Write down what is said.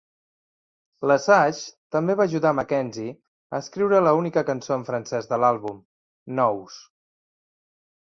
Lesage també va ajudar McKenzie a escriure la única cançó en francès de l'àlbum, "Nous".